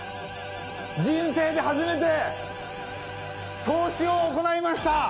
人生で初めて投資を行いました！